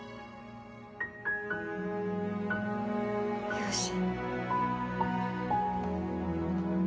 よし。